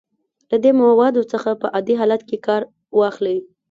له دې موادو څخه په عادي حالت کې کار واخلئ.